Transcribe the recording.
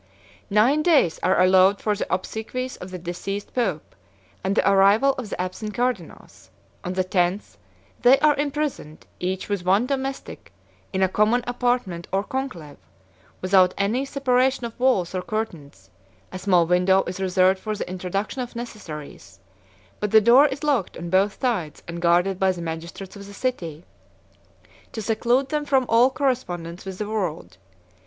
70 Nine days are allowed for the obsequies of the deceased pope, and the arrival of the absent cardinals; on the tenth, they are imprisoned, each with one domestic, in a common apartment or conclave, without any separation of walls or curtains: a small window is reserved for the introduction of necessaries; but the door is locked on both sides and guarded by the magistrates of the city, to seclude them from all correspondence with the world.